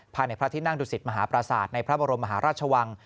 ภายในพระทินั่งดุสิตมหาประสาทในพระบรมราชวัง